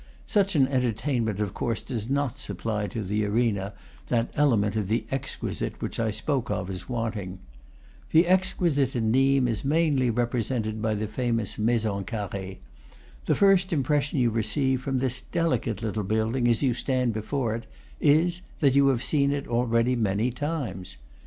Such an entertainment of course does not supply to the arena that element of the exquisite which I spoke of as wanting. The exquisite at Nimes is mainly represented by the famous Maison Carree. The first impression you receive from this delicate little building, as you stand before it, is that you have already seen it many times.